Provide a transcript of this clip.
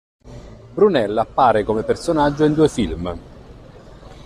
Buñuel appare come personaggio in due film.